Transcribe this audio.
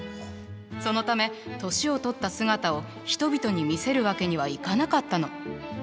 そのため年を取った姿を人々に見せるわけにはいかなかったの。